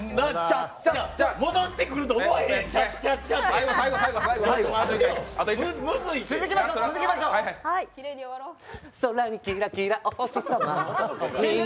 戻ってくると思わへん。